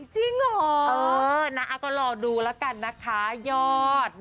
จริงเหรอก็รอดูแล้วกันนะคะยอด